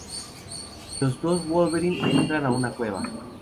Los dos Wolverine entran en una cueva.